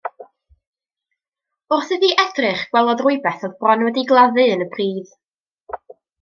Wrth iddi edrych gwelodd rywbeth oedd bron wedi'i gladdu yn y pridd.